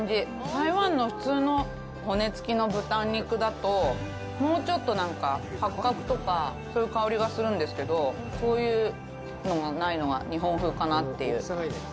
台湾の普通の骨つきの豚肉だと、もうちょっと、なんか、八角とか、そういう香りがするんですけど、そういうのがないのが日本風かなという。